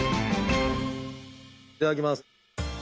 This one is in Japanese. いただきます。